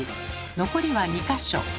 残りは２か所。